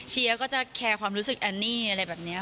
เชียร์ก็จะแคร์ความรู้สึกแอนนี่อะไรแบบนี้